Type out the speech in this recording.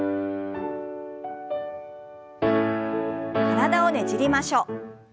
体をねじりましょう。